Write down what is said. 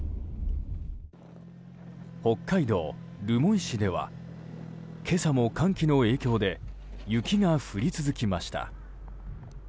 北海道留萌市では今朝も寒気の影響で雪が降り続きました。